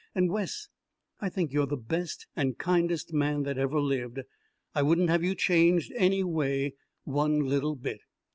And, Wes I think you're the best and kindest man that ever lived. I wouldn't have you changed, any way, one little bit."